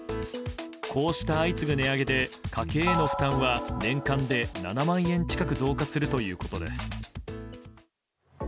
こうした相次ぐ値上げで家計への負担は年間で７万円近く増加するということです。